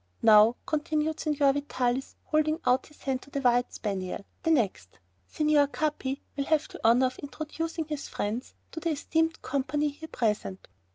"Now," continued Signor Vitalis, holding out his hand to the white spaniel, "the next. Signor Capi will have the honor of introducing his friends to the esteemed company here present."